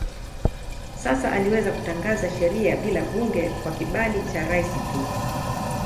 Sasa aliweza kutangaza sheria bila bunge kwa kibali cha rais tu.